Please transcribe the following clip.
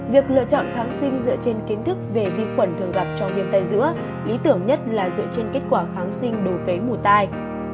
việc lựa chọn kháng sinh dựa trên kiến thức về vi khuẩn thường gặp trong viêm tay dữa lý tưởng nhất là dựa trên kết quả kháng sinh đồ kế mù tay